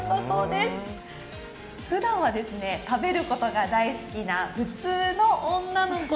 ふだんは食べることが大好きな普通の女の子。